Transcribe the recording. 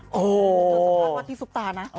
เธอสัมภาษณ์ว่าที่ซุปตานะ